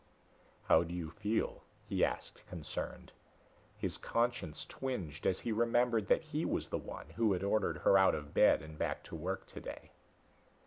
"How do you feel," he asked, concerned. His conscience twinged as he remembered that he was the one who had ordered her out of bed and back to work today.